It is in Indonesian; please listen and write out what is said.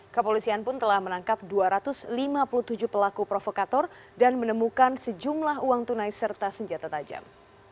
kepolisian pun telah menangkap dua ratus lima puluh tujuh pelaku provokator dan menemukan sejumlah uang tunai serta senjata tajam